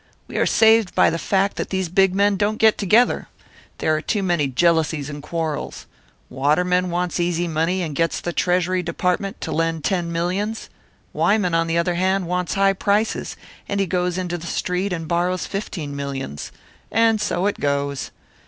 "We are saved by the fact that these big men don't get together. There are too many jealousies and quarrels. Waterman wants easy money, and gets the Treasury Department to lend ten millions; Wyman, on the other hand, wants high prices, and he goes into the Street and borrows fifteen millions; and so it goes.